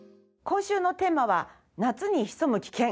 今週のテーマは「夏に潜む危険」。